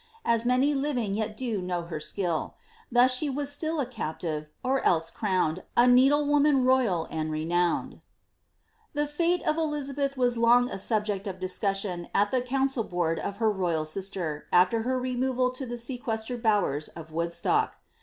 As many living yet do know her skill. Tlius she was still a captive, or else crowned A need le< woman royal and renowned/* The fate of Elizabeth was long a subject of discussion at the council board of her royal sister, after her removal to the sequestered bowers of Woodstock.